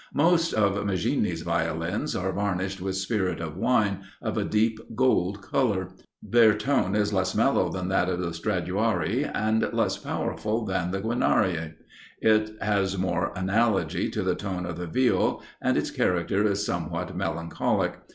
Most of Maggini's Violins are varnished with spirit of wine, of a deep gold colour. Their tone is less mellow than that of the Stradiuari, and less powerful than the Guarnieri; it has more analogy to the tone of the Viol, and its character is somewhat melancholic.